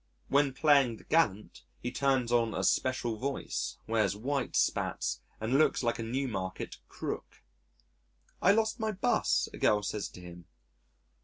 When playing the Gallant, he turns on a special voice, wears white spats, and looks like a Newmarket "Crook." "I lost my 'bus," a girl says to him.